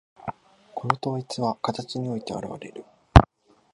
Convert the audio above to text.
この統一は形において現われる。